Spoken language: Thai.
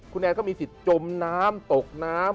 คุณแอนก็มีสิทธิ์จมน้ำตกน้ำ